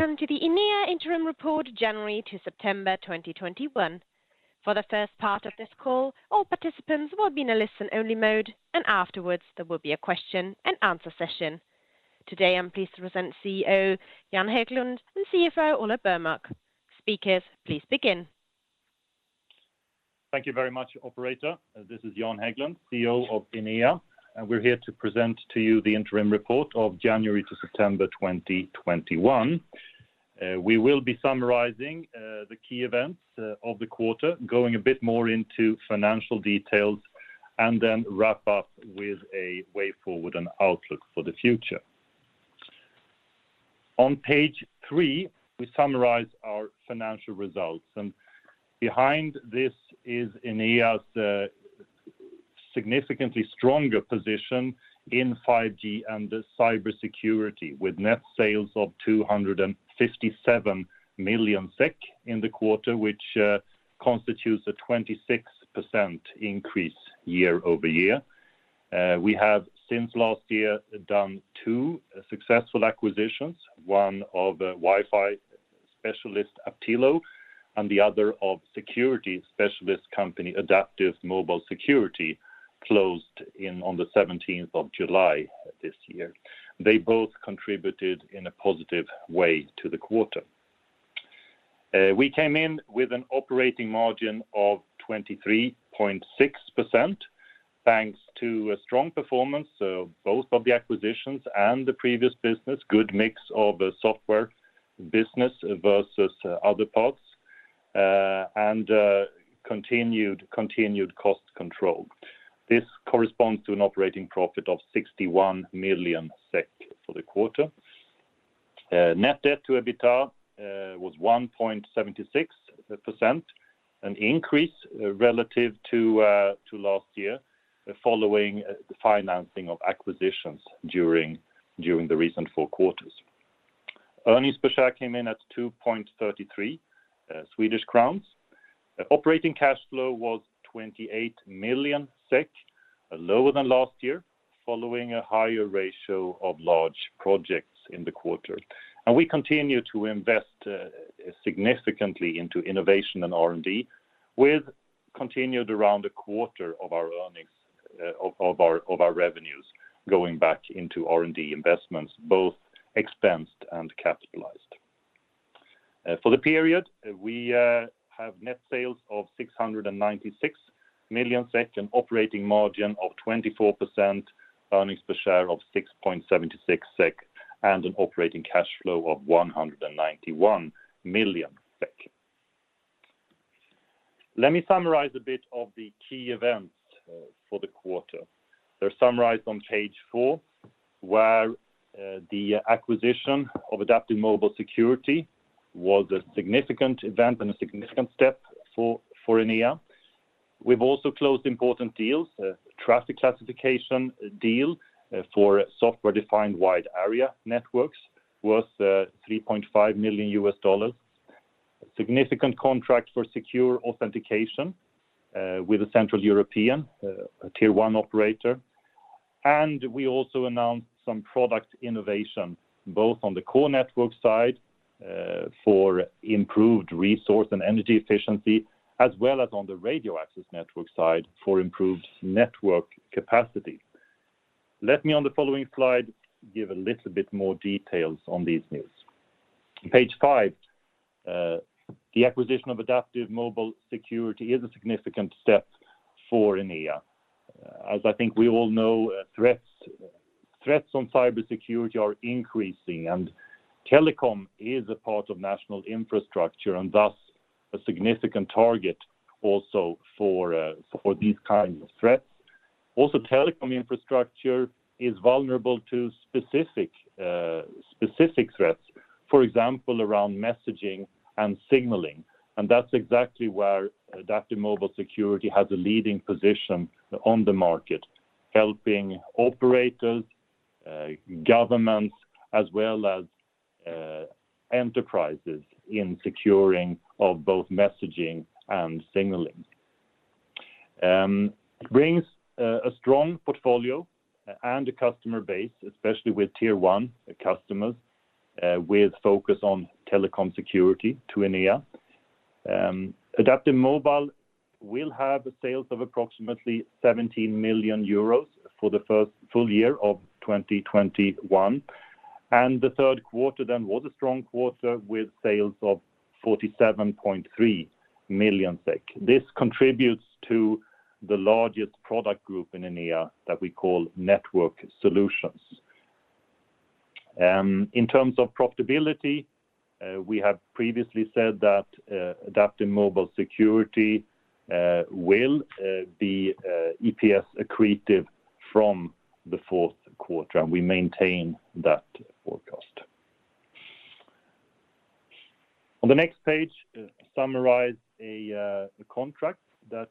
Welcome to the Enea Interim Report January to September 2021. For the first part of this call, all participants will be in a listen only mode, and afterwards there will be a question and answer session. Today I'm pleased to present CEO Jan Häglund and CFO Ola Burmark. Speakers, please begin. Thank you very much, operator. This is Jan Häglund, CEO of Enea. We're here to present to you the interim report of January to September 2021. We will be summarizing the key events of the quarter, going a bit more into financial details, and then wrap up with a way forward and outlook for the future. On page three, we summarize our financial results. Behind this is Enea's significantly stronger position in 5G and cybersecurity, with net sales of 257 million SEK in the quarter, which constitutes a 26% increase year-over-year. We have since last year done two successful acquisitions, one of Wi-Fi specialist Aptilo and the other of security specialist company AdaptiveMobile Security closed on the 17th of July this year. They both contributed in a positive way to the quarter. We came in with an operating margin of 23.6% thanks to a strong performance, both of the acquisitions and the previous business, good mix of software business versus other parts, and continued cost control. This corresponds to an operating profit of 61 million SEK for the quarter. Net debt to EBITDA was 1.76%, an increase relative to last year following the financing of acquisitions during the recent four quarters. Earnings per share came in at 2.33 Swedish crowns. Operating cash flow was 28 million SEK, lower than last year, following a higher ratio of large projects in the quarter. We continue to invest significantly into innovation and R&D with continued around a quarter of our revenues going back into R&D investments, both expensed and capitalized. For the period, we have net sales of 696 million SEK, an operating margin of 24%, earnings per share of 6.76 SEK, and an operating cash flow of 191 million SEK. Let me summarize a bit of the key events for the quarter. They are summarized on page four, where the acquisition of AdaptiveMobile Security was a significant event and a significant step for Enea. We have also closed important deals, a traffic classification deal for software-defined wide area networks worth $3.5 million, a significant contract for secure authentication with a central European tier 1 operator. We also announced some product innovation, both on the core network side for improved resource and energy efficiency, as well as on the radio access network side for improved network capacity. Let me on the following slide give a little bit more details on these news. Page five, the acquisition of AdaptiveMobile Security is a significant step for Enea. As I think we all know, threats on cybersecurity are increasing, telecom is a part of national infrastructure and thus a significant target also for these kinds of threats. Also, telecom infrastructure is vulnerable to specific threats, for example, around messaging and signaling. That's exactly where AdaptiveMobile Security has a leading position on the market, helping operators, governments, as well as enterprises in securing of both messaging and signaling. It brings a strong portfolio and a customer base, especially with tier 1 customers, with focus on telecom security to Enea. AdaptiveMobile will have sales of approximately 17 million euros for the first full year of 2021, the third quarter then was a strong quarter with sales of 47.3 million SEK. This contributes to the largest product group in Enea that we call Network Solutions. In terms of profitability, we have previously said that AdaptiveMobile Security will be EPS accretive from the fourth quarter, and we maintain that forecast. On the next page, we summarize a contract that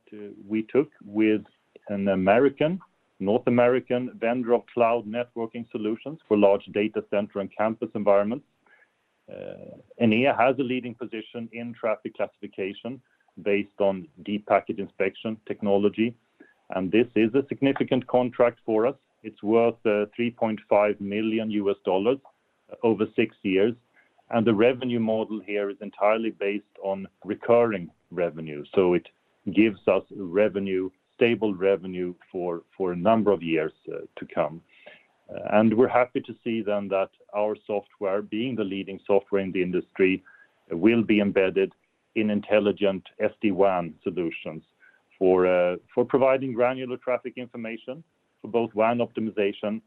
we took with a North American vendor of cloud networking solutions for large data center and campus environments. Enea has a leading position in traffic classification based on deep packet inspection technology. This is a significant contract for us. It is worth $3.5 million over six years, and the revenue model here is entirely based on recurring revenue. It gives us stable revenue for a number of years to come. We're happy to see then that our software, being the leading software in the industry, will be embedded in intelligent SD-WAN solutions for providing granular traffic information for both WAN optimization,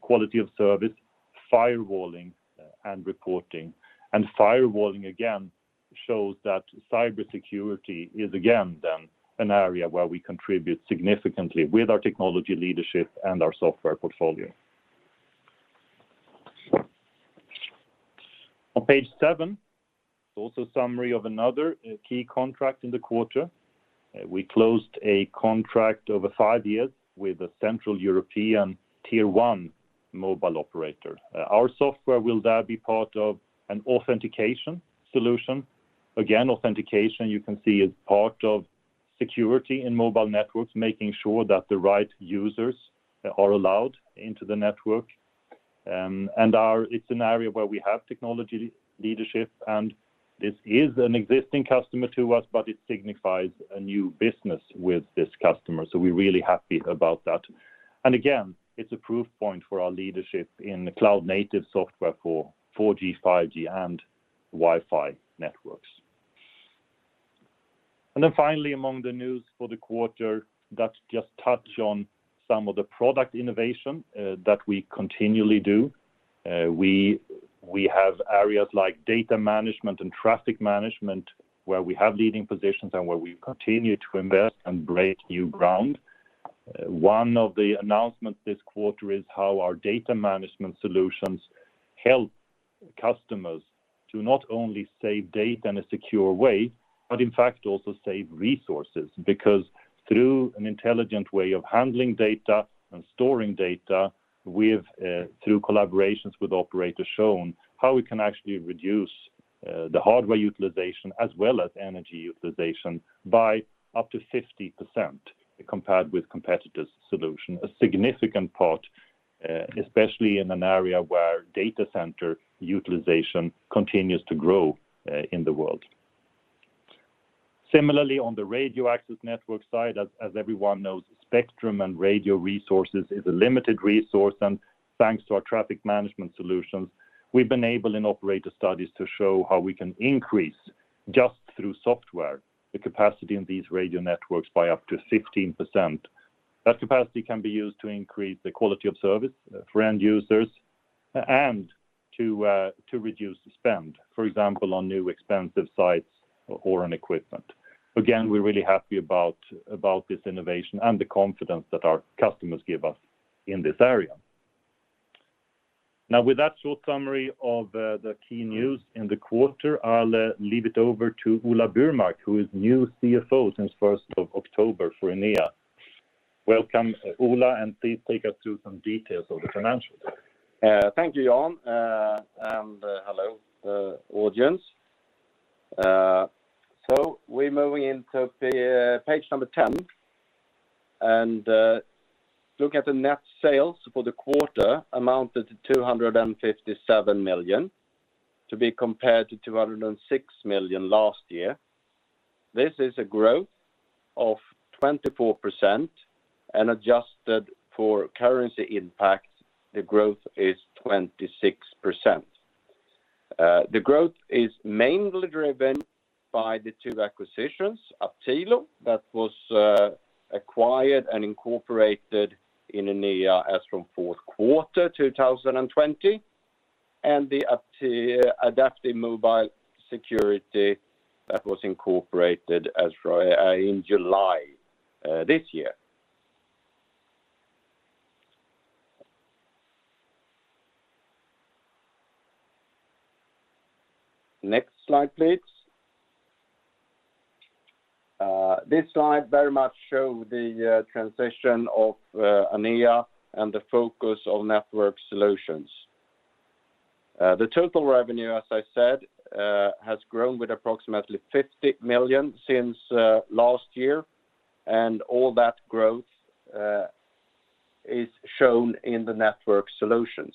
quality of service, firewalling, and reporting. Firewalling again shows that cybersecurity is again, then an area where we contribute significantly with our technology leadership and our software portfolio. On page seven, is also a summary of another key contract in the quarter. We closed a contract over five years with a central European tier 1 mobile operator. Our software will there be part of an authentication solution. Again, authentication, you can see is part of security in mobile networks, making sure that the right users are allowed into the network. It's an area where we have technology leadership, and this is an existing customer to us, but it signifies a new business with this customer, so we're really happy about that. Again, it's a proof point for our leadership in cloud-native software for 4G, 5G, and Wi-Fi networks. Finally, among the news for the quarter, that's just touch on some of the product innovation that we continually do. We have areas like data management and Traffic Management, where we have leading positions and where we continue to invest and break new ground. One of the announcements this quarter is how our data management solutions help customers to not only save data in a secure way, but in fact, also save resources. Through an intelligent way of handling data and storing data through collaborations with operators shown how we can actually reduce the hardware utilization as well as energy utilization by up to 50% compared with competitors' solution. A significant part, especially in an area where data center utilization continues to grow in the world. Similarly, on the radio access network side, as everyone knows, spectrum and radio resources is a limited resource, and thanks to our Traffic Management solutions, we've been able in operator studies to show how we can increase, just through software, the capacity in these radio networks by up to 15%. That capacity can be used to increase the quality of service for end users and to reduce spend, for example, on new expensive sites or on equipment. We're really happy about this innovation and the confidence that our customers give us in this area. Now, with that short summary of the key news in the quarter, I'll leave it over to Ola Burmark, who is new CFO since 1st of October for Enea. Welcome, Ola, and please take us through some details of the financials. Thank you, Jan, and hello, audience. We're moving into page number 10 and look at the net sales for the quarter amounted to 257 million, to be compared to 206 million last year. This is a growth of 24% and adjusted for currency impact, the growth is 26%. The growth is mainly driven by the two acquisitions, Aptilo, that was acquired and incorporated in Enea as from fourth quarter 2020, and the AdaptiveMobile Security that was incorporated in July this year. Next slide, please. This slide very much show the transition of Enea and the focus on Network Solutions. The total revenue, as I said, has grown with approximately 50 million since last year, and all that growth is shown in the Network Solutions.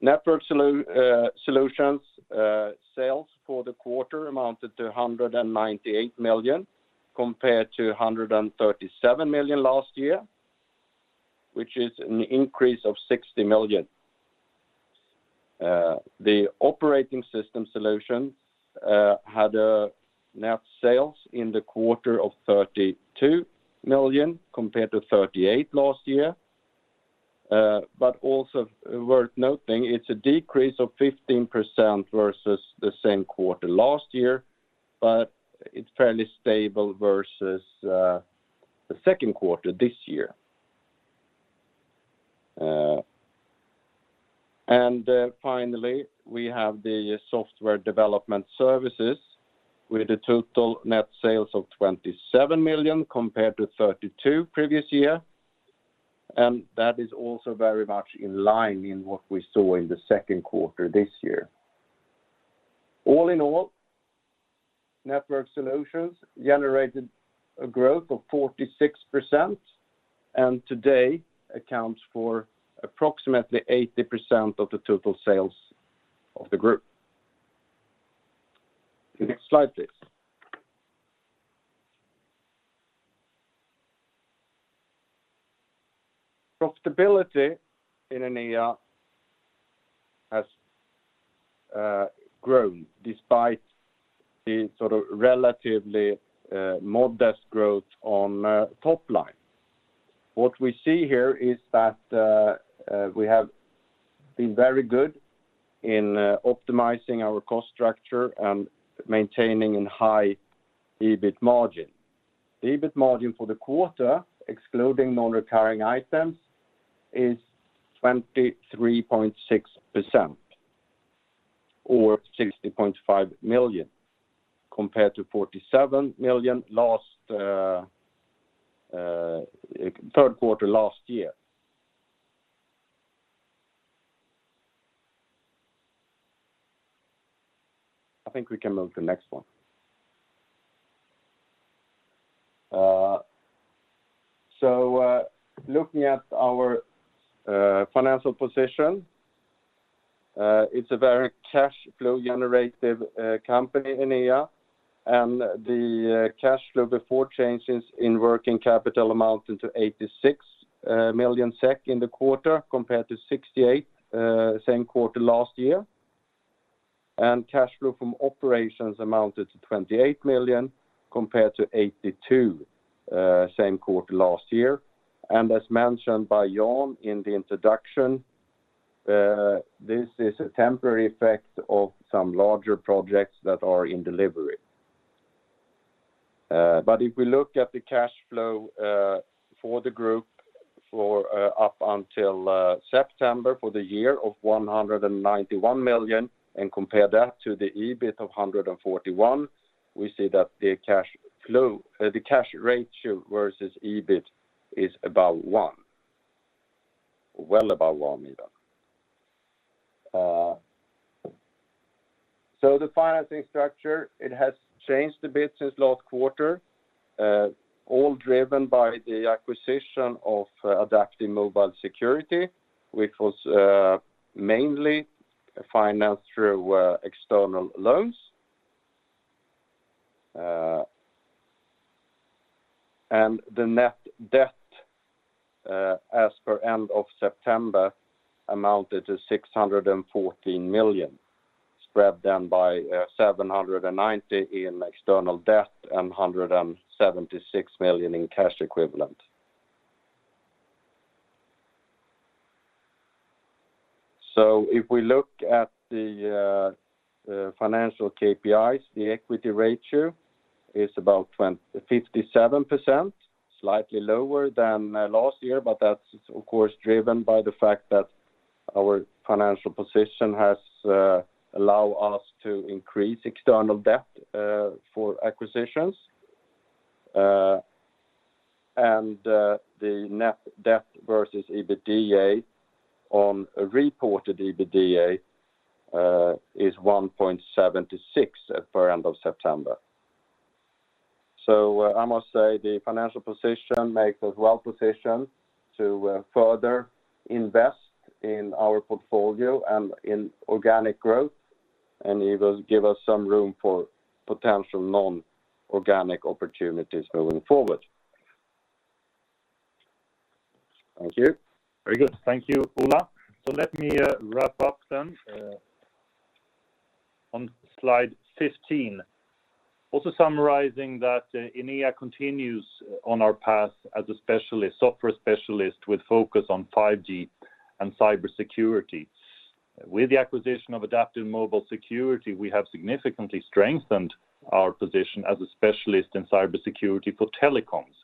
Network Solutions sales for the quarter amounted to 198 million compared to 137 million last year, which is an increase of 60 million. The Operating Systems had a net sales in the quarter of 32 million compared to 38 million last year. Also worth noting, it's a decrease of 15% versus the same quarter last year, but it's fairly stable versus the second quarter this year. Finally, we have the Software Development Services with a total net sales of 27 million compared to 32 million previous year. That is also very much in line in what we saw in the second quarter this year. All in all, Network Solutions generated a growth of 46% and today accounts for approximately 80% of the total sales of the group. Next slide, please. Profitability in Enea has grown despite the relatively modest growth on top line. What we see here is that we have been very good in optimizing our cost structure and maintaining a high EBIT margin. The EBIT margin for the quarter, excluding non-recurring items, is 23.6%, or 60.5 million, compared to 47 million third quarter last year. I think we can move to the next one. Looking at our financial position, it's a very cash flow generative company, Enea, and the cash flow before changes in working capital amounted to 86 million SEK in the quarter, compared to 68 million same quarter last year. Cash flow from operations amounted to 28 million compared to 82 million same quarter last year. As mentioned by Jan in the introduction, this is a temporary effect of some larger projects that are in delivery. If we look at the cash flow for the group up until September for the year of 191 million and compare that to the EBIT of 141 million, we see that the cash ratio versus EBIT is about 1. Well above 1 even. The financing structure, it has changed a bit since last quarter, all driven by the acquisition of AdaptiveMobile Security, which was mainly financed through external loans. The net debt, as per end of September, amounted to 614 million, spread down by 790 in external debt and 176 million in cash equivalent. If we look at the financial KPIs, the equity ratio is about 57%, slightly lower than last year, but that's of course driven by the fact that our financial position has allow us to increase external debt for acquisitions. The net debt versus EBITDA on a reported EBITDA is 1.76% per end of September. I must say the financial position makes us well-positioned to further invest in our portfolio and in organic growth and it will give us some room for potential non-organic opportunities moving forward. Thank you. Very good. Thank you, Ola. Let me wrap up then on slide 15. Also summarizing that Enea continues on our path as a software specialist with focus on 5G and cybersecurity. With the acquisition of AdaptiveMobile Security, we have significantly strengthened our position as a specialist in cybersecurity for telecoms.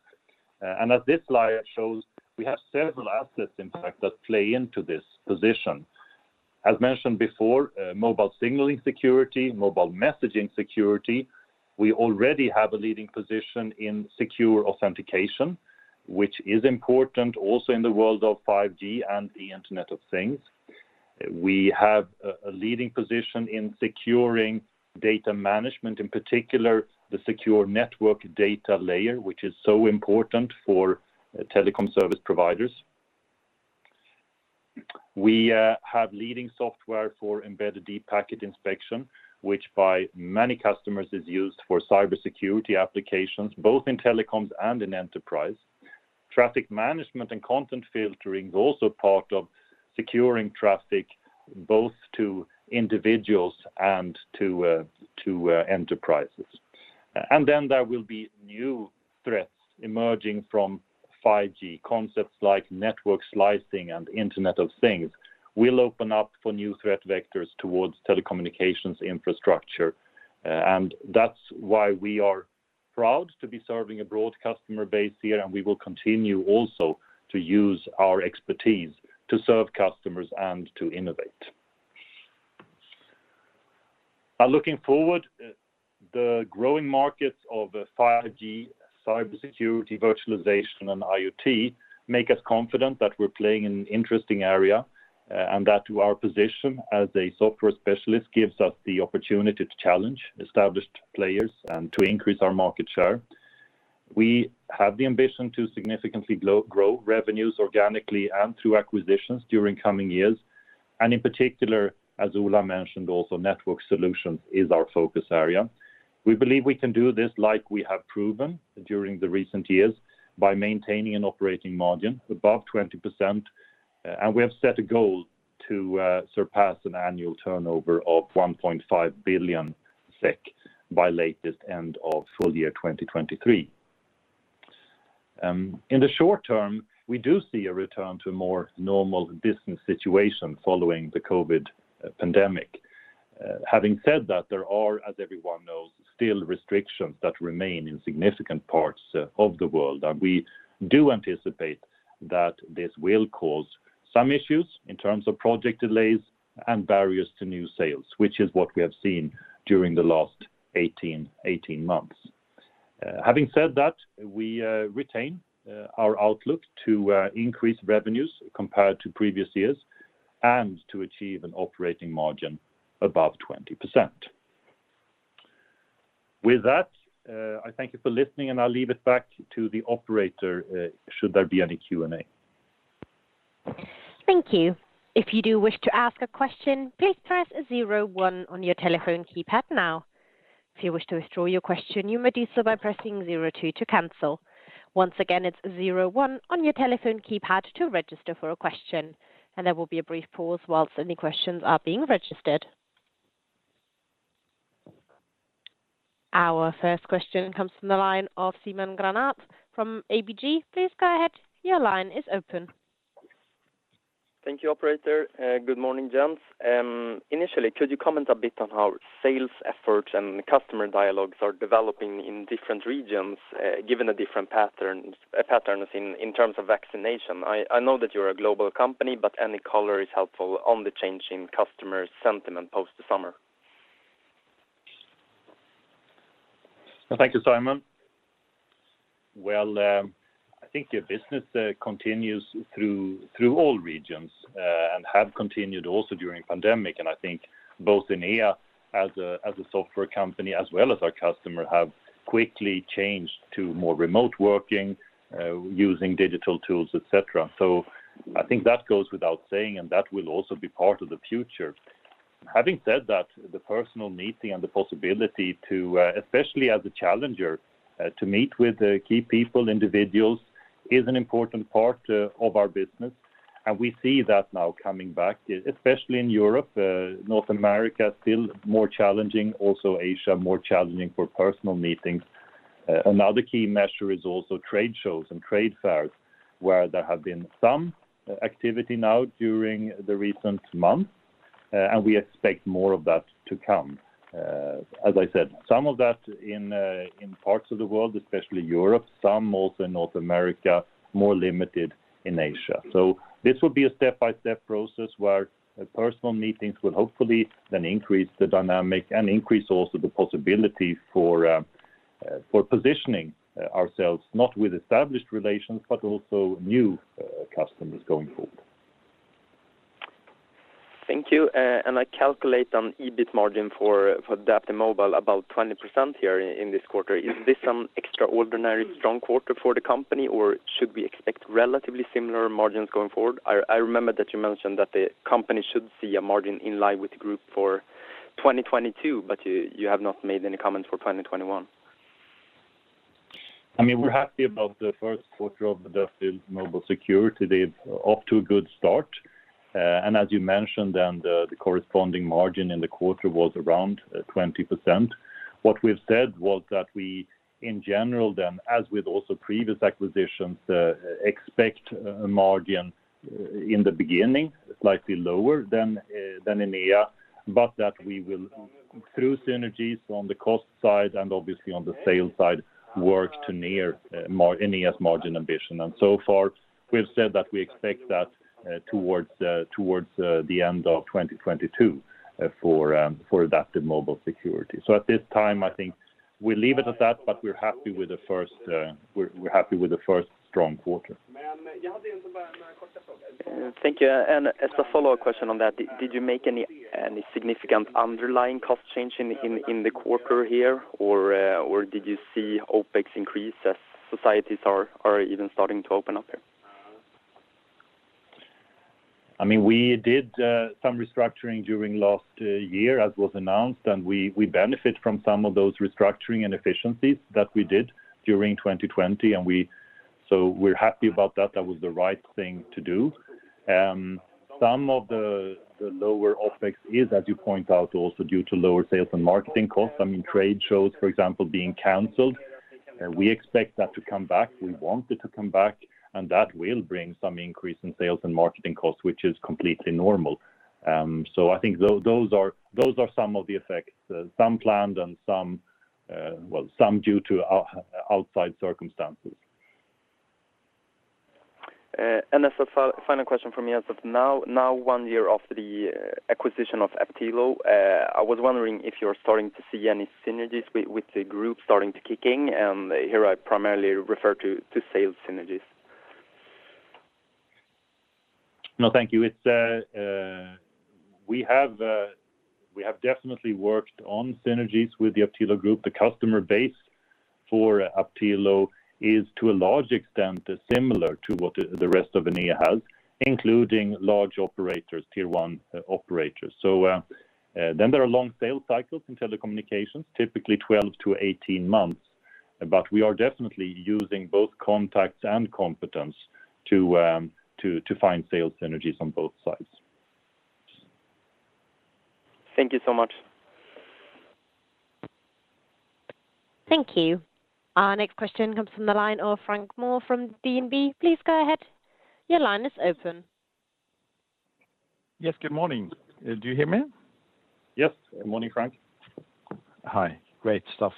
As this slide shows, we have several assets, in fact, that play into this position. As mentioned before, mobile signaling security, mobile messaging security. We already have a leading position in secure authentication, which is important also in the world of 5G and the Internet of Things. We have a leading position in securing data management, in particular, the secure Network Data Layer, which is so important for telecom service providers. We have leading software for embedded deep packet inspection, which by many customers is used for cybersecurity applications, both in telecoms and in enterprise. Traffic management and content filtering is also part of securing traffic, both to individuals and to enterprises. There will be new threats emerging from 5G. Concepts like network slicing and Internet of Things will open up for new threat vectors towards telecommunications infrastructure. That's why we are proud to be serving a broad customer base here, and we will continue also to use our expertise to serve customers and to innovate. Looking forward, the growing markets of 5G, cybersecurity, virtualization, and IoT make us confident that we're playing in an interesting area, and that to our position as a software specialist gives us the opportunity to challenge established players and to increase our market share. We have the ambition to significantly grow revenues organically and through acquisitions during coming years. In particular, as Ola mentioned also, Network Solutions is our focus area. We believe we can do this like we have proven during the recent years by maintaining an operating margin above 20%, and we have set a goal to surpass an annual turnover of 1.5 billion SEK by latest end of full year 2023. In the short term, we do see a return to more normal business situation following the COVID pandemic. Having said that, there are, as everyone knows, still restrictions that remain in significant parts of the world, and we do anticipate that this will cause some issues in terms of project delays and barriers to new sales, which is what we have seen during the last 18 months. Having said that, we retain our outlook to increase revenues compared to previous years and to achieve an operating margin above 20%. With that, I thank you for listening, and I'll leave it back to the operator should there be any Q&A. Thank you. If you do wish to ask a question, please press zero one on your telephone keypad now. If you wish to withdraw your question, you may do so by pressing zero two to cancel. Once again, it's zero one on your telephone keypad to register for a question. There will be a brief pause whilst any questions are being registered. Our first question comes from the line of Simon Granath from ABG. Please go ahead. Your line is open. Thank you, operator. Good morning, gents. Initially, could you comment a bit on how sales efforts and customer dialogues are developing in different regions, given a different patterns in terms of vaccination? I know that you're a global company. Any color is helpful on the changing customer sentiment post the summer. Thank you, Simon. Well, I think the business continues through all regions, and have continued also during pandemic. I think both Enea as a software company, as well as our customer, have quickly changed to more remote working, using digital tools, et cetera. I think that goes without saying, and that will also be part of the future. Having said that, the personal meeting and the possibility to, especially as a challenger, to meet with key people, individuals, is an important part of our business, and we see that now coming back, especially in Europe. North America, still more challenging. Also Asia, more challenging for personal meetings. Another key measure is also trade shows and trade fairs, where there have been some activity now during the recent months, and we expect more of that to come. As I said, some of that in parts of the world, especially Europe, some also in North America, more limited in Asia. This will be a step-by-step process where personal meetings will hopefully then increase the dynamic and increase also the possibility for positioning ourselves, not with established relations, but also new customers going forward. Thank you. I calculate on EBIT margin for AdaptiveMobile about 20% here in this quarter. Is this some extraordinary strong quarter for the company, or should we expect relatively similar margins going forward? I remember that you mentioned that the company should see a margin in line with the group for 2022, you have not made any comment for 2021. We're happy about the first quarter of AdaptiveMobile Security. They're off to a good start. As you mentioned, the corresponding margin in the quarter was around 20%. What we've said was that we, in general then, as with also previous acquisitions, expect margin in the beginning slightly lower than Enea, but that we will, through synergies on the cost side and obviously on the sales side, work to near Enea's margin ambition. So far, we've said that we expect that towards the end of 2022 for AdaptiveMobile Security. At this time, I think we leave it at that, but we're happy with the first strong quarter. Thank you. As a follow-up question on that, did you make any significant underlying cost change in the quarter here, or did you see OpEx increase as societies are even starting to open up here? We did some restructuring during last year, as was announced, and we benefit from some of those restructuring and efficiencies that we did during 2020. We're happy about that. That was the right thing to do. Some of the lower OpEx is, as you point out, also due to lower sales and marketing costs. Trade shows, for example, being canceled. We expect that to come back. We want it to come back, and that will bring some increase in sales and marketing costs, which is completely normal. I think those are some of the effects, some planned and some due to outside circumstances. As a final question from me. As of now, one year after the acquisition of Aptilo, I was wondering if you're starting to see any synergies with the group starting to kick in. Here I primarily refer to sales synergies. No, thank you. We have definitely worked on synergies with the Aptilo group. The customer base for Aptilo is, to a large extent, similar to what the rest of Enea has, including large operators, tier 1 operators. There are long sales cycles in telecommunications, typically 12-18 months. We are definitely using both contacts and competence to find sales synergies on both sides. Thank you so much. Thank you. Our next question comes from the line of Frank Maaø from DNB. Please go ahead. Yes, good morning. Do you hear me? Yes. Good morning, Frank. Hi. Great stuff.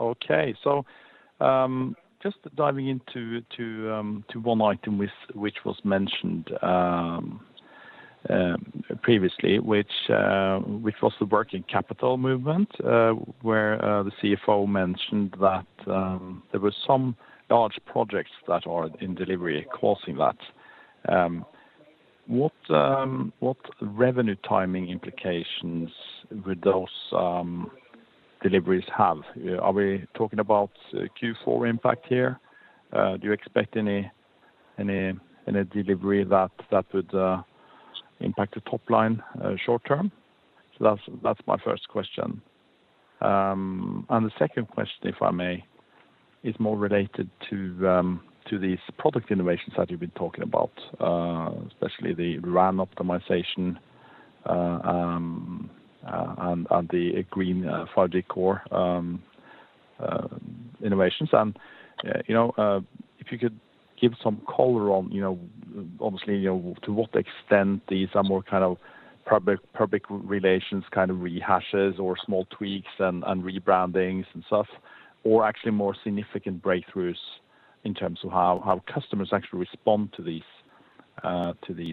Okay. Just diving into one item which was mentioned previously, which was the working capital movement. Where the CFO mentioned that there were some large projects that are in delivery causing that. What revenue timing implications would those deliveries have? Are we talking about Q4 impact here? Do you expect any delivery that would impact the top line short term? That's my first question. The second question, if I may, is more related to these product innovations that you've been talking about, especially the RAN optimization and the green 5G core innovations. If you could give some color on, obviously, to what extent these are more public relations kind of rehashes or small tweaks and rebrandings and stuff, or actually more significant breakthroughs in terms of how customers actually respond to these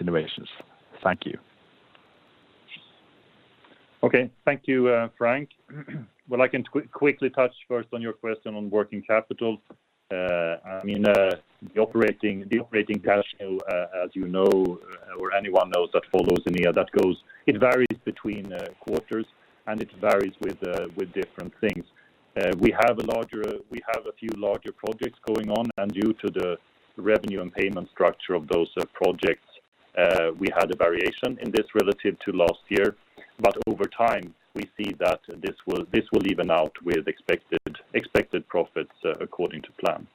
innovations. Thank you. Okay. Thank you, Frank. Well, I can quickly touch first on your question on working capital. The operating cash flow, as you know, or anyone knows that follows Enea, it varies between quarters and it varies with different things. We have a few larger projects going on, due to the revenue and payment structure of those projects, we had a variation in this relative to last year. Over time, we see that this will even out with expected profits according to plan.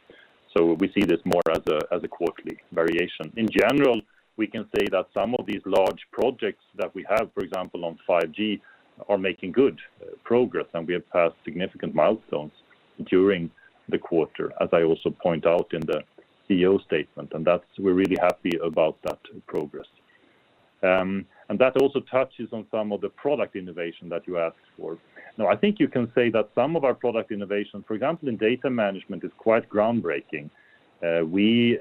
We see this more as a quarterly variation. In general, we can say that some of these large projects that we have, for example, on 5G, are making good progress, and we have passed significant milestones during the quarter, as I also point out in the CEO statement. We're really happy about that progress. That also touches on some of the product innovation that you asked for. Now, I think you can say that some of our product innovation, for example, in data management, is quite groundbreaking. We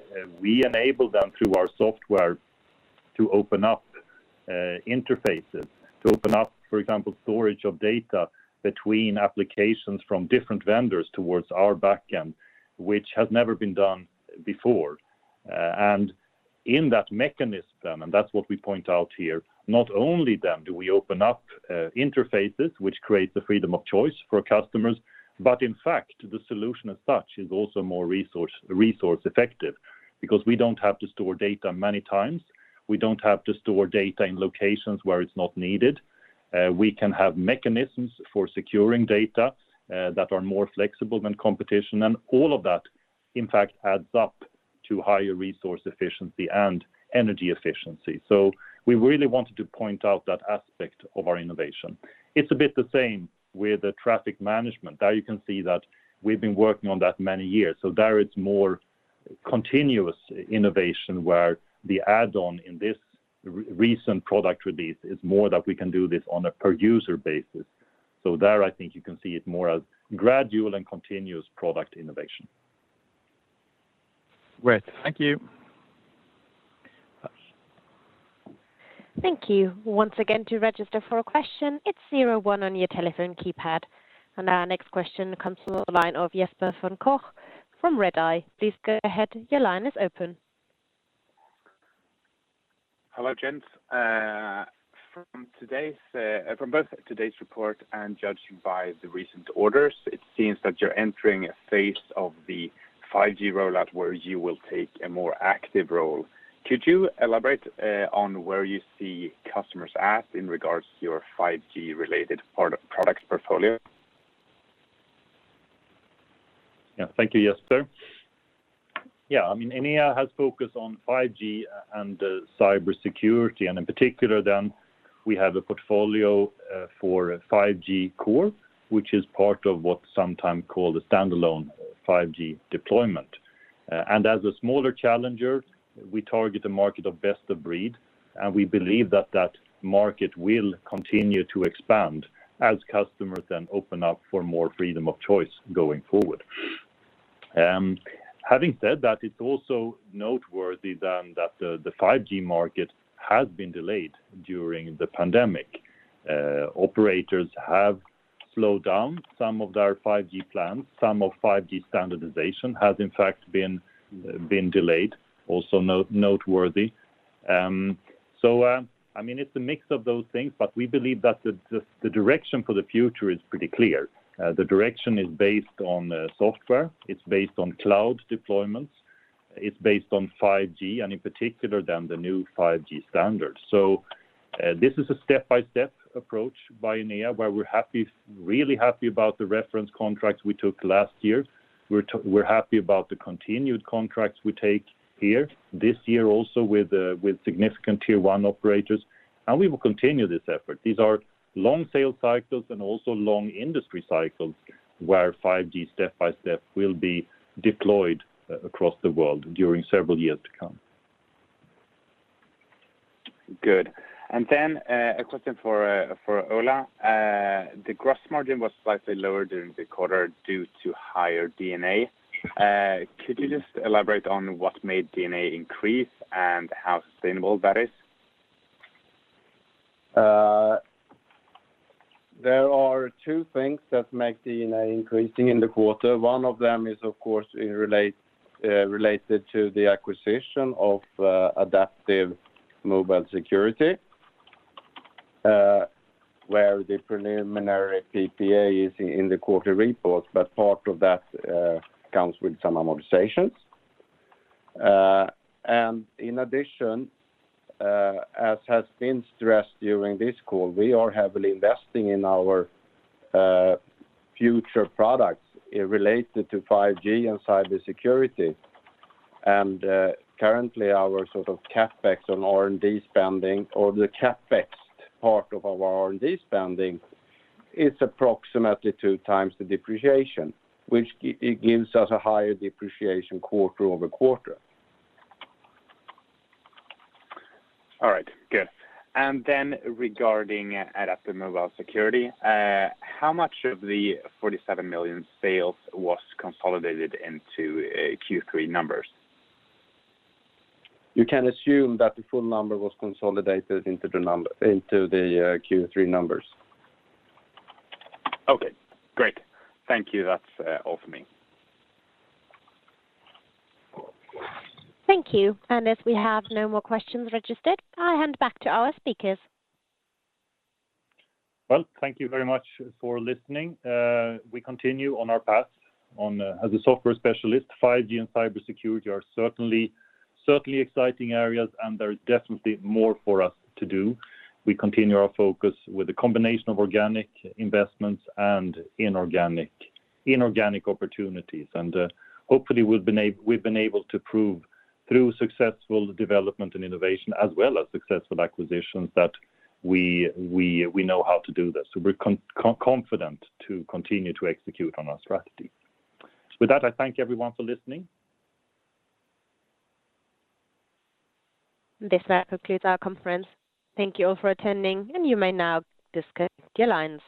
enable them through our software to open up interfaces, to open up, for example, storage of data between applications from different vendors towards our back end, which has never been done before. In that mechanism, and that's what we point out here, not only then do we open up interfaces, which creates the freedom of choice for customers, but in fact, the solution as such is also more resource effective because we don't have to store data many times. We don't have to store data in locations where it's not needed. We can have mechanisms for securing data that are more flexible than competition. All of that, in fact, adds up to higher resource efficiency and energy efficiency. We really wanted to point out that aspect of our innovation. It's a bit the same with the Traffic Management. There you can see that we've been working on that many years. There is more continuous innovation where the add-on in this recent product release is more that we can do this on a per user basis. There, I think you can see it more as gradual and continuous product innovation. Great. Thank you. Thank you. Once again, to register for a question, it's zero one on your telephone keypad. Our next question comes from the line of Jesper von Koch from Redeye. Please go ahead. Your line is open. Hello, gents. From both today's report and judging by the recent orders, it seems that you're entering a phase of the 5G rollout where you will take a more active role. Could you elaborate on where you see customers at in regards to your 5G related products portfolio? Yeah, thank you, Jesper. Yeah, Enea has focused on 5G and cybersecurity, and in particular then, we have a portfolio for 5G core, which is part of what's sometimes called a standalone 5G deployment. And as a smaller challenger, we target the market of best of breed, and we believe that that market will continue to expand as customers then open up for more freedom of choice going forward. Having said that, it's also noteworthy then that the 5G market has been delayed during COVID. Operators have slowed down some of their 5G plans. Some of 5G standardization has in fact been delayed, also noteworthy. It's a mix of those things, but we believe that the direction for the future is pretty clear. The direction is based on software, it's based on cloud deployments, it's based on 5G, and in particular then the new 5G standards. This is a step-by-step approach by Enea, where we're really happy about the reference contracts we took last year. We're happy about the continued contracts we take here this year also with significant tier 1 operators, and we will continue this effort. These are long sales cycles and also long industry cycles, where 5G step by step will be deployed across the world during several years to come. Good. A question for Ola. The gross margin was slightly lower during the quarter due to higher D&A. Could you just elaborate on what made D&A increase and how sustainable that is? There are two things that make D&A increasing in the quarter. One of them is of course related to the acquisition of AdaptiveMobile Security, where the preliminary PPA is in the quarter report, but part of that comes with some amortizations. In addition, as has been stressed during this call, we are heavily investing in our future products related to 5G and cybersecurity. Currently our sort of CapEx on R&D spending, or the CapEx part of our R&D spending is approximately 2x the depreciation, which gives us a higher depreciation quarter-over-quarter. All right, good. Regarding AdaptiveMobile Security, how much of the 47 million sales was consolidated into Q3 numbers? You can assume that the full number was consolidated into the Q3 numbers. Okay, great. Thank you. That's all for me. Thank you. As we have no more questions registered, I'll hand back to our speakers. Thank you very much for listening. We continue on our path as a software specialist. 5G and cybersecurity are certainly exciting areas, and there is definitely more for us to do. We continue our focus with a combination of organic investments and inorganic opportunities, and hopefully we've been able to prove through successful development and innovation as well as successful acquisitions that we know how to do this. We're confident to continue to execute on our strategy. With that, I thank everyone for listening. This now concludes our conference. Thank you all for attending and you may now disconnect your lines.